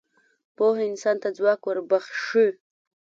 پوهه انسان ته ځواک وربخښي.